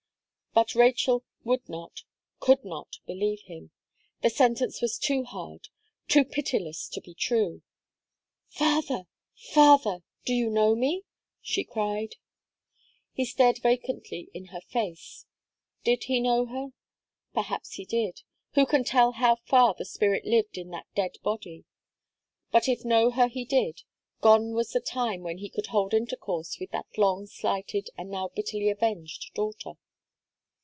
But Rachel would not could not believe him. The sentence was too hard, too pitiless to be true. "Father, father! do you know me?" she cried. He stared vacantly in her face. Did he know her? Perhaps he did. Who can tell how far the spirit lived in that dead body? But if know her he did, gone was the time when he could hold intercourse with that long slighted, and now bitterly avenged daughter.